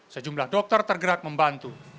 sejumlah dokter tergerak membantu